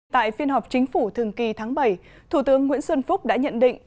tại phiên họp chính phủ thường kỳ tháng bảy thủ tướng nguyễn xuân phúc đã nhận định